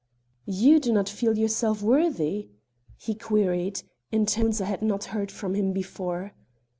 "You do not feel yourself worthy?" he queried, in tones I had not heard from him before.